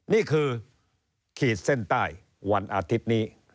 นี่คือขีดเส้นใต้วันอาทิตย์นี้